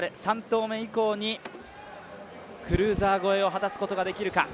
３投目以降にクルーザー越えを果たすことができるか。